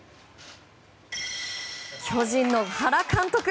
巨人の原監督。